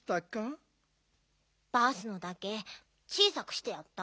バースのだけ小さくしてやった。